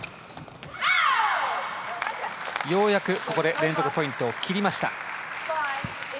ようやく、ここで連続ポイントを切りました。